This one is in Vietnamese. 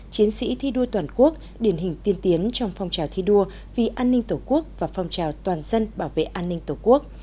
chiến sĩ thi đua toàn quốc điển hình tiên tiến trong phong trào thi đua vì an ninh tổ quốc và phong trào toàn dân bảo vệ an ninh tổ quốc